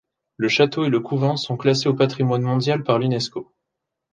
Le château et le couvent sont classés au Patrimoine Mondial par l'Unesco.